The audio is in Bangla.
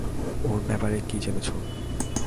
ওর ব্যাপারে কী জেনেছ?